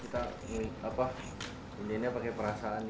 kita pilihnya pakai perasaan